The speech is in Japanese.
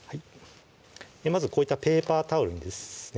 まずこういったペーパータオルにですね